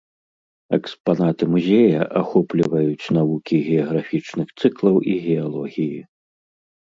Экспанаты музея ахопліваюць навукі геаграфічных цыклаў і геалогіі.